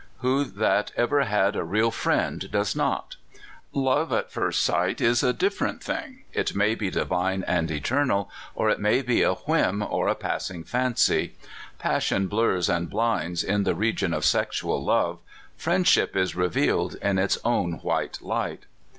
Who that ever had a real friend does not? Love at first sight is a different thing it may be divine and eternal, or it may be a whim or a pass ing fancy. Passion blurs and blinds in the region of sexual love: friendship is revealed in its own white light.